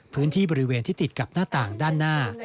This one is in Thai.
พื้นที่บริเวณที่ติดกับหน้าต่างด้านหน้า